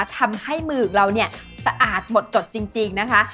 ทำให้มือของเราเนี่ยสะอาดหมดจดจริงนะคะ